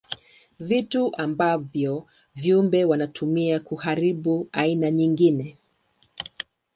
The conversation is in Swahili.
Vitu ambavyo viumbe wanatumia kuharibu aina nyingine.